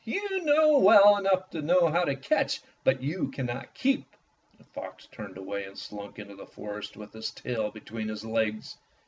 you know well enough how to catch, but you cannot keep." The fox turned away and slunk into the forest with his tail between his legs.